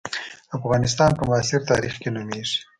افغانستان په معاصر تاریخ کې نومېږي.